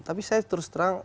tapi saya terus terang